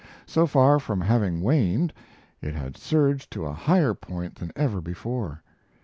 So far from having waned, it had surged to a higher point than ever before.